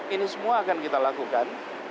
ini semua akan kita lakukan